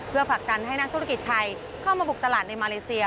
เพื่อผลักดันให้นักธุรกิจไทยเข้ามาบุกตลาดในมาเลเซีย